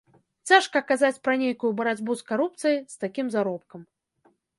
Цяжка казаць пра нейкую барацьбу з карупцыяй з такім заробкам.